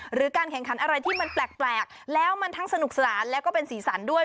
หรือการแข่งขันอะไรที่มันแปลกแล้วมันทั้งสนุกสนานแล้วก็เป็นสีสันด้วย